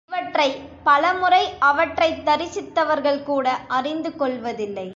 இவற்றை, பல முறை அவற்றைத் தரிசித்தவர்கள் கூட அறிந்து கொள்வதில்லை.